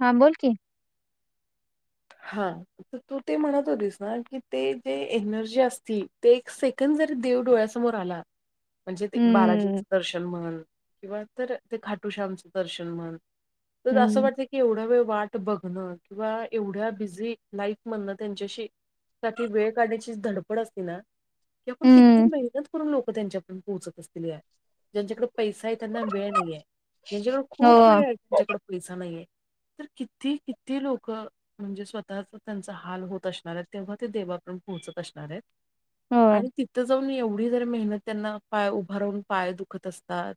हा बोल कि. हा तर तू ते म्हणत होतीस ना की ते जे एनर्जी असती तेे. जरी देव डोळ्यासमोर आला. म्हणजे ते हम्म बालाजींचं दर्शन म्. हण किंवा तर ते खाटूश्यामचं दर्शन म्हण तर असं हम्म वाटतं की एवढा वेळ वाट बघणं किंवा. एवढ्या बिझी लाईफमधन त्यांच्याशी साठी वेळ काढण्याची धडपड असती ना. क आपण किती हम्म मेहनत म्हणून लोक. त्यांच्याकडून पोहोचत असतील ज्यांच्याकडे पैसा आहे त्यांना वेळ नाहीे. ज्यांच्याकडे हो खूप वेळ आहे त्यांच्याकडे पैसा नाहीये तर किती किती लोक. म्हणजे स्वतःच त्यांचा हाल होत असणार आहे तेव्हा ते देवापण पोहोचत असणार आहेत. होय आणि तिथं जाऊन एवढी जर मेहनत त्यांना पाय उभा राहून पाय दुखत असतात.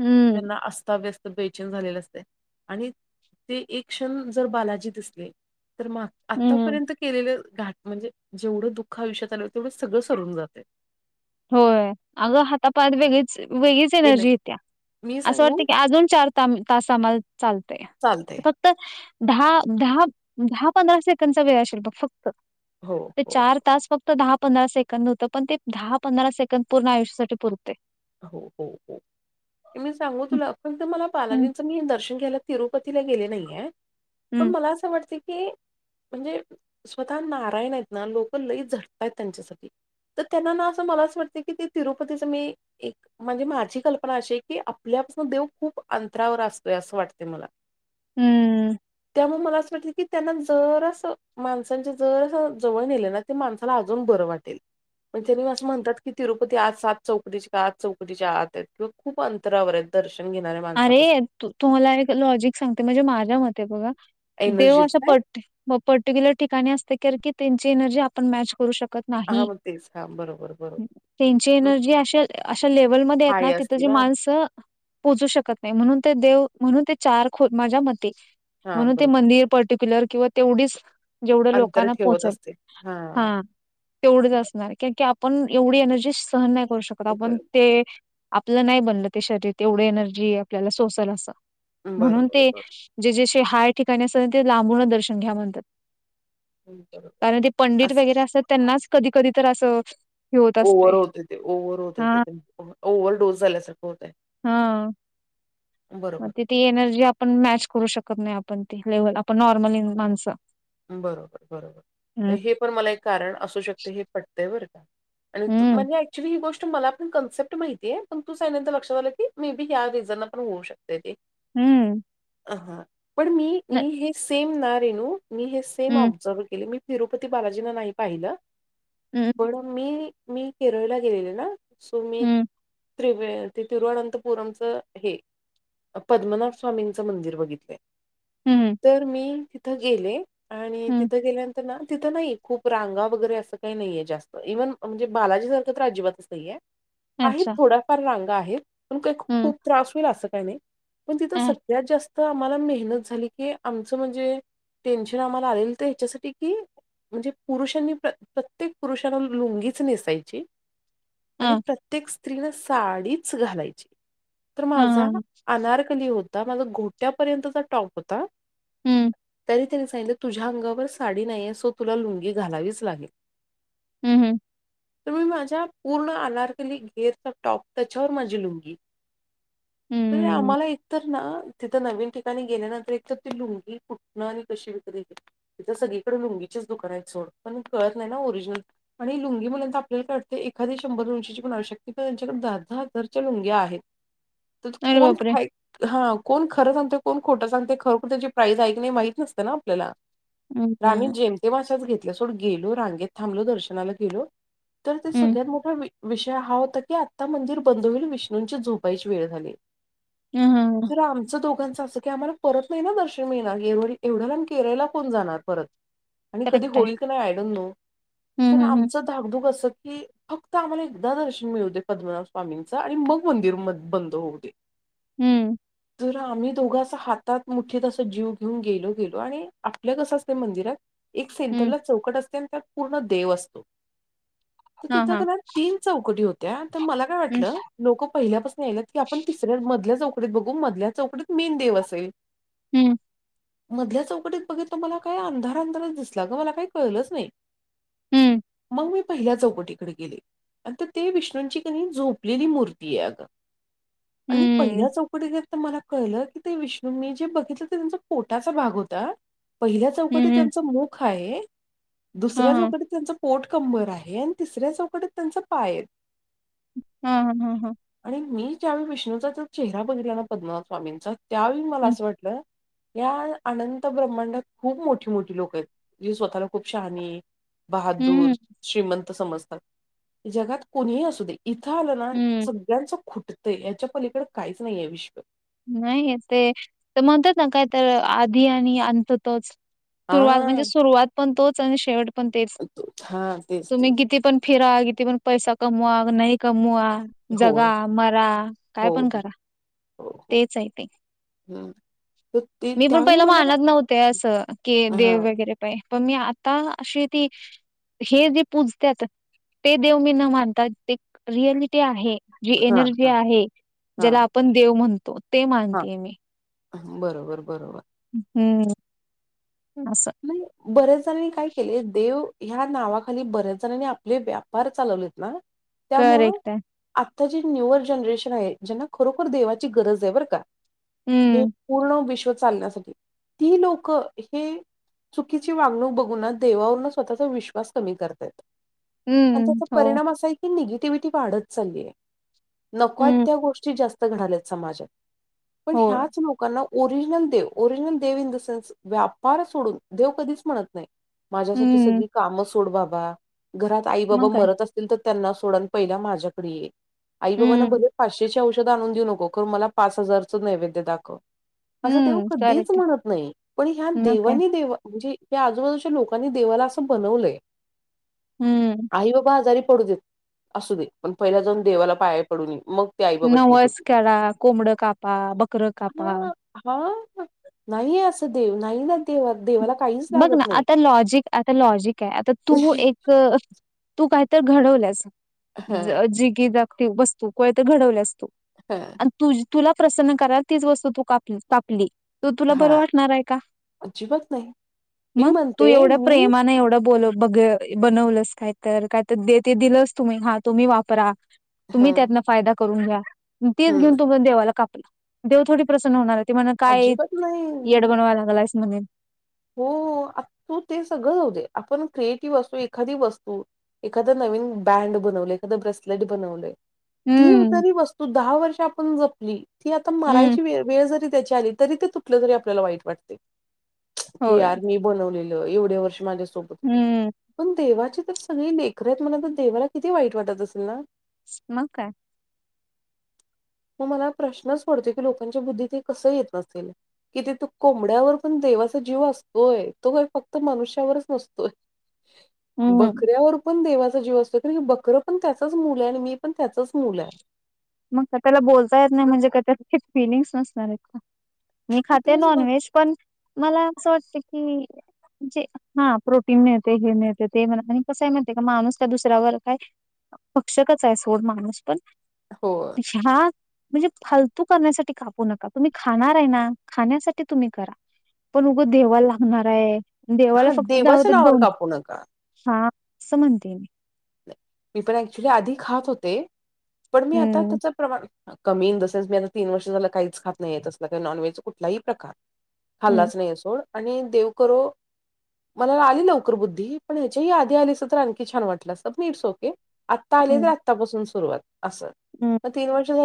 हम्म त्यांना अस्ताव्यस्त बेचिन झालेले असते. आणि ते एक क्षण जर बालाजी दि असले. तर मग हम्म आतापर्यंत केलेलं. घाट म्हणजे जेवढं दुःख आयुष्यात आले होते तेवढं सगळं सरून जाते. होय अगं हातापायात वेगळीच वेगळीच एनर्जी येत्या. मी असं सांगू? वाटतं की अजून चार त तास आम्हाला चालतय चालतंय. फक्त. दहा दहा दहा पंधरा सेकंडचा वेळ असेल बघ फक्त हो, ते हो, चार तास फक्त. दहा पंधरा सेकंद न होतं पण ते दहा पंधरा सेकंदड पूर्ण आयुष्यासाठी पुरते. हो हो हो मी सांगू तुला फक्त मला हम्म बालाजींचं मी दर्शन घ्यालं. तिरुपतीला गेले नाहीय पण हम्म मला असं वाटते की. म्हणजे स्वतः नारायण आहेत ना लोक लई झटतय त्यांच्यासाठी. तर त्यांनाना असं मला असच वाटते की ते तिरुपतीचं मी. एक म्हणजे माझी कल्पना अशी आहे की आपल्यापासून देव खूप अंतरावर असतोय असं वाटते मला. हम्म. त्यामुळे मला असं वाटल की त्यांना जरस माणसांचे जर जवळण येले ना ते माणसाला अजून बर. वा म्हणात तात चौ. आ चौकदीच्या आत आहेत किंवा खूप अंतरावर आहेत दर्श. अरे तुम्हाला एक लॉजिक सांगते म्हणजे माझ्या मते आहे बघा. देव एनर्जीच अशा काय? प पर्टिक्युलर ठिकाणी असते कार की त्यांची एनर्जी आपण मॅच. करू शकत हां, नाही. मग तेच हां, बरोबर, बरोबर. त्यांची मग एनर्जी अशा अशा लेव्हलमध्येध्ये आहेत थाळी ना तिथ असती जे माणसं. पोचुशकत नाही म्हणुन देव म्हणून चार माझ्या मते हां, म्हणून बरोबर. मंदिर. पटिक्यल किंवा तेवढी. जेवढं अंतर लोकांना ठेवत पोहोचेल असते. हां, हा तेवढच असणार क. आपण एवढी एनर्जीट सहन नाही करू शकत आपण बरं, ते आपलं नाही बनलं ते शरीर. तेवढे एनर्जी आपल्याला सोल अस म्हणून बरोबर, ते ज जे. हाय ठिकाणी अस ते लांबून दर्शन घ्या म्हणतात बरं, बरोबर. कारण ते पंडित असं वगैरे असतात त्यांनाच कधी कधी तर असं हे होत असते ओव्हर होत ते ओव्ह होत हा ते ओव्हर डोस झाल्यासारखं होतय हा मग त ती एनर्जी आपण मॅच करू शकत नाही आपण त लेव्हल आपण नॉर्मल माणसं बरोबर बरोबर हम्म हे पण मला एक कारण असू शकते हे पटत्यावरर आणि हम्म म्हणजे ऍक्च्युली ही गोष्ट. मलाण कन्सेप्ट माहितीे पण तूचनंतर लक्षात आलं की मे बी या रिझन पण होऊ शकते ते. हम्म ह हां पण मी न- मी हे सेम ना रेणू मी हे सेम हम्म ऑब्झर्व केले मी. तिरुपती बालाजीना नाही पाहिलं हम्म पण मी मी केरळला गेलेले ना. सुमित. हम्म तवे ते तिरुवनंतपुरमचं हे पद्मनाभ स्वामींचं मंदिर बघितलंय. हम्म तर मी तिथं गेले आणि हम्म तिथं गेल्यानंतर ना तिथं नाही खूप रांगा वगैरे असं काही नाहीये जास्त इव्हन म्हणजे बालाजी सारखं तर अजिबातचही आहे. आहेत अच्छा थोडाफार रांगा आहेत पण काही हम्म खूप त्रास होईल असं काही नाही. पण तिथं अ सगळ्यात जास्त आम्हाला मेहनत झाली की आमचं म्हणजे टेन्शन आम्हाला आलेल तर ह्याच्यासाठी की म्हणजे पुरुषांनी प्रत्येक पुरुषांना लुंगीच नेसायची. आणि अ प्रत्येक स्त्रीन साडीच घालायची. तर हा माझा हा अनारकली होता माझा घोट्यापर्यंतचा टॉप होता. हम्म तरी त्यांनी सांगितलं तुझ्या अंगावर साडी नाहीये सो तुला लुंगी घालावीच लागेल. हम्म हम्म तरु मी माझ्या पूर्ण आनारकली घेरचा टॉप त्याच्यावर माझी लुंगी. हम्म आम्हाला एकतर ना तिथं नवीन ठिकाणी गेल्यानंतर एक तर ती लुंगी न आणि कशी विकत तथ सगळीकडे लुंगीचेच दुकान आहे सोड पण कळत नाही ना ओरिजिनल लुंगी म्हणय आपल्यालाटते एखादी शंभर उंशीची बनू शकते पण त्यांच्याकडे दहा दहा हजारच्या लुंग्या आहेत. तर अरे कोण बापरे ख हा कोण खरं सांगते कोण खोटं सांगते खरो खर त्याची प्राईइज ऐक. माहित नसत ना आपल्याला हम्म आम्ही जेमतेमशाच घेत. सोड गेलो रांगेत थांबलो दर्शनाला गेलो तर ते हम्म सगळ्यात मोठा विषय हा होता. की आता मंदिर बंद होईल विष्णूंच्या झोपाईची वेळ झाली ह हा तर आमच दोघां असं की आम्हाला परत नाही ना दर्शन मिळेणार एवढ्यालाम केरळला कोण जाणार परत. आणि कधी करेक्ट आहे होईल की नाही आयडोंट नो हम्म सर हम्म आमच धाकधूक अस. हे फक्त आम्हाला एकदा दर्शन मिळवते पद्मनाभ स्वामींचं आणि मग मंदिर बंद होऊते. जर आम्ही दोघांचा हातात मोठी तस जीव. घेऊन गेलो गेलो आणि आपल्या कस असते मंदिरात एक हम्म हम्म हम्म सेंटरला चौकट असते आणि त्या पूर्ण देव असतो तर हा तिथ हा तीन चौकटी होत्या. तर मला काय हम्म वाटलं लोक पहिल्यापासून या की आपण तिसऱ्या मधल्या जाउ चकत बघू मधल्या चौकडीत मीन देव असेल. हम्म. मधल्या चौकटीत बघितलं मला काही अंधार अंधारच दिसला ग मला काही कळलंच नाही. हम्म मग मी पहिल्या चौकटीकडे गेले आणि ते विष्णूंची क झोपलेली मूर्ती आहे अगं. आणि पहिल्या हम्म चौकटी घेत तर मला कळलं की ते विष्णू मी जे बघितलं ते त्यांच पोटाचा भाग होता. पहिल्या हम्म चौकटीत हम्म त्यांच मुख आहे हा दुसऱ्या हा चौकटीत त्यांच पोट कंबर आहे आणि तिसऱ्या चौकटत त्यांचा पाय. हा हा हा हा आणि मी ज्यावेळी विष्णूचा चेहरा बघला ना पद्मनाभ स्वामींचा त्यावेळी मला हा असं वाटलं. या अनंत ब्रह्मांडात खूप मोठी मोठी लोकं आहेत, जी स्वतःला खूप शहानी बहादूर, हम्म, श्रीमंत समजतात जगात कोणीही असू दे. इथं आलं ना, हम्म. सगळ्यांचं खुटतंय याच्या पलीकडं काहीच नाही आहे विश्व नाही ते तर म्हणतात ना काय तर आधी आणि अंत तोच सुरुवात म्हणजे हां, सुरुवात पण तोच आणि शेवट पण तेच, तो हां, तेच, तुम्ही तेच. किती पण फिरा किती पण पैसा कमवा नाही कमवा जगा होय. मरा काय हो, पण हो, करा, हो, हो. तेच आहे ते हं. तर ते मी पण त्यावेळी पहिला मला मानत नव्हते असं की देव हां, वगैरे काय. पण मी आता अशी ती हे जे पूजत्यात ते देव मी न मानता ते रिअलिटी आहे. जी हां, एनर्जी हां, आहे, ज्याला हां, आपण देव म्हणतो ते हां. मानतेय मी. बरोबर बरोबर. हम्म असं म बऱ्याच जणांनी काय केले देव ह्या नावाखाली बऱ्याच जणांनी आपले व्यापार चालवलेत ना, त्यामुळं करेक्ट आहे. आ आता जी न्यूअर जनरेशन आहे, ज्यांना खरोखर देवाची गरज आहे बरं का, हे हं, पूर्ण विश्व चालण्यासाठी, ती लोकं हे चुकीची वागणूक बघून ना देवावरून स्वतःचा विश्वास कमी करतायत. आणि हं, त्याचा हो, परिणाम असा आहे की निग टिव्हीटी वाढत चालली आहे, नको हं, त्या गोष्टी जास्त घडल्यात समाजात. पण होय. ह्याच लोकांना ओरिजनल देव ओरिजिनल देव इन द सेन्स व्यापार सोडून देव कधीच म्हणत नाही, माझ्यासाठी हं, सगळी कामं सोड बाबा घरात आई बाबा मग काय? मरत असतील तर त्यांना सोड अन् पहिला माझ्याकडे ये. आई बाबांना हं, भले पाचशे ची औषधं आणून देऊ नको खर मला पाच हजारचं नैवेद्य दाखव. असं देव हं, कधीच करेक्ट आहे. म्हणत नाही, पण ह्या मग काय? देवानी म्हणजे या आजूबाजूच्या लोकांनी देवाला असं बनवलंय. हं, आई बाबा आजारी पडू देत, असू दे पण पहिला जाऊन देवाला पाया पडून येऊ. मग ते आई बाबा ठीक नवस होतील, करा, कोंबडं कापा, बकरं कापा. हा हा नाही असं देव नाही ना देव देवाला काहीच बघ लागत ना नाही. आता लॉजिक आता लॉजिक आहे आता तू एक तू काही तर घडवल्यास हा जि की जाग वस्तू कोय तर घडवल्यास हा तुझ तुला प्रसन्न करायला तीच वस्तू तू का कापली त तुला बरं हा वाटणार आहे का, अजिबात नाही मी मग तू म्हणते एवढया मी प्रेमाने एवढं बोल बघ बनवलंस काय तर काय तर ते दिलंच तुम्ही हा तुम्ही वापरा हा तुम्ही त्यातनं फायदा करून घ्या, तेच घेऊन हम्म तु देवाला कापला देव थोडी प्रसन्न होणार आहे. ते म्हणा काय अजिबात नाही येड बनवा लागलास म्हणे. हो, आता ते सगळं जाऊ दे आपण क्रिएटिव्ह असतो एखादी वस्तू एखादं नवीन बँड बनवले एखादं ब्रेसलेट बनवले. ती हम्म जरी वस्तू दहा वर्ष आपण जपली, ती आता हम्म मरायची वेळ जरी त्याची आली तरी ते तुटलं तरी आपल्याला वाईट वाटतंय, की होय यार मी बनवलेल् एवढ्या वर्ष माझ्या सोबत होतं हम्म पण देवाची तर सगळी लेकरं आहेत म आता देवाला किती वाईट वाटत असेल ना? मग काय? मग मला प्रश्नच पडतो की लोकांच्या बुद्धीत हे कसं येत असेल कि ते तू कोंबड्यावर पण दे देवाचा जीव असतोय, तो का फक्त मनुष्यावरच नसतोय. हम्म बकऱ्यावर पण देवा जीव असतो कारण की बकरं पण त्याचंच मुलं आहे आणि मी पण त्याचंच मुलं आहे. मग का त्याला बोलता येत नाही म्हणजे का त्याला फिलिंग्स नसणार आहेत का? मी पण खाते तेच मग नॉनव्हेज पण, मला असं वाटते की, म्हणजे हा प्रोटीन मिळते हे मिळते ते म्हणा आणि कसंय म्हणते का माणूस त्या दुसऱ्यावर काय पक्षकच आहे सोड माणूस पण हो अा हा म्हणजे फालतू करण्यासाठी कापू नका तुम्ही खाणार आहे ना खाण्यासाठी तुम्ही करा पण उगं देवाला लागणार आहे देवाला हा फक्तत देवाच्या नावावर दोन कापू नका. हा समनतेने मी पण ऍक्च्युली आधी खात होते पण मी आता हम्म त्याच प्रमाण कमी इन द सेनस मी आता तीन वर्ष झाला काहीच खात नाहीय असलं नॉन वहेजचा कुठलाही प्रकार हम्म हाल्लाच नाही असो आणि देवकररो मला आली लवकर बुद्धी पण ह्याच्या आधी आलीस तर आणखी छान वाटलं स नीट सो आता आली तर हम्म आतापासून सुरुवात अस हम्म तीन वर्ष झा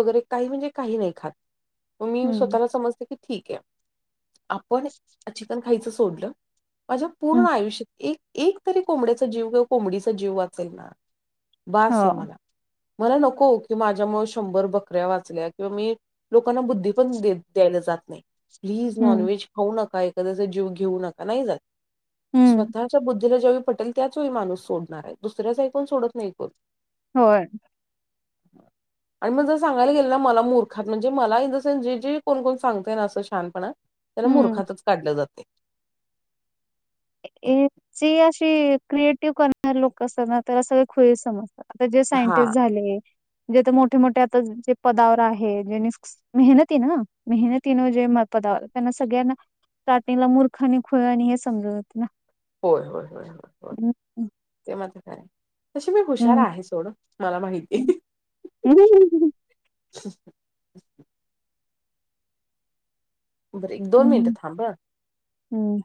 वरे का म्हणजे काही नाही खात मी स्वत हम्म सम ठीक आहे आपण चिकन खायचं सोडलं माझ्या पूर्ण हम्म आयुष्यात एक एक तरी कोंबड्याचा जीव किंवा कोंबडीचा जीव वाचेल ना बस आहे हो मला मला नको की माझ्यामुळे शंभर बकऱ्या वाचल्या किंवा मी लोकांना बुद्धी पण द्यायला जात नाही प्लीज नॉन हम्म वहेज खाऊ नका एखाद्या जीव घेऊ नका नाही जात हम्म स्वतःच्या ला ज्यावेळी पटेल त्याच वळी माणूस सोडणार आहे दुसऱ्याच ऐकून सोडत नाही कोण होय हम आणि मग जर सांगायला गेलं ना मला मूर्खात म्हणजे मला इन द सेनस जे जे कोण कोण सांगतय ना असं शछानपणा त्याला हम्म मुूर्खातच काढले जाते जी अशी क्रिएटिव्ह करणार लोक असतना तर सगळे खुई समजत आता जे हा. सायंटिस्ट झाले जेथ मोठे मोठे आता जे पदावर आहे जे मेहनती ना मेहनतीन जे म पदावर त्यांना सगळ्यांना चटिंगला मूर्खा आणि खुळ आणि हे समज होय हो हो ते म तशी मी हुशार हम्म आहे सोड मला माहिती हम्म हम्म ह् बर एक दो मिंट हम्म थांब हम्म.